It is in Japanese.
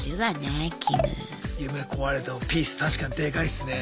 夢壊れてもピース確かにでかいっすね。